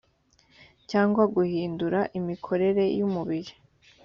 cyangwa guhindura imikorere y umubiri